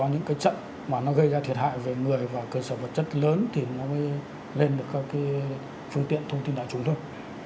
những cái trận mà nó gây ra thiệt hại về người và cơ sở vật chất lớn thì nó mới lên được các phương tiện thông tin đại chúng thôi